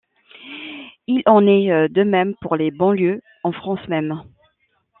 Il en est de même pour les banlieues, en France même.